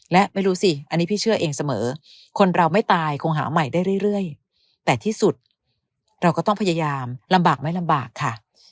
และไม่รู้สิอันนี้พี่เชื่อเองเสมอคนเราไม่ตายคงหาใหม่ได้เรื่อยแต่ที่สุดเราก็ต้องพยายามลำบากไม่ลำบากค่ะ